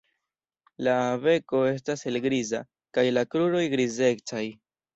La beko estas helgriza kaj la kruroj grizecaj.